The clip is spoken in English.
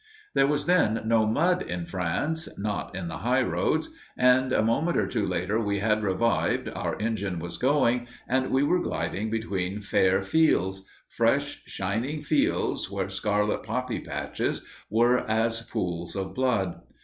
There was then no mud in France, not in the highroads, and a moment or two later we had revived, our engine was going, and we were gliding between fair fields fresh, shining fields where scarlet poppy patches were as pools of blood.